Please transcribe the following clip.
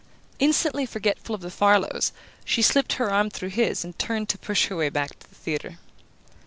Instantly forgetful of the Farlows, she slipped her arm through his and turned to push her way back to the theatre.